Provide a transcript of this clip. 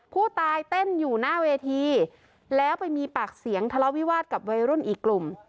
ผู้ตายเต้นอยู่หน้าเวทีแล้วไปมีปากเสียงทะเลาวิวาสกับวัยรุ่นอีกกลุ่ม